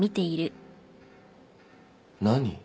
何。